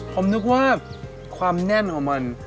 ผมนึกว่าความแน่นของมัน